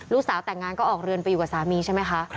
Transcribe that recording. แต่งงานก็ออกเรือนไปอยู่กับสามีใช่ไหมคะ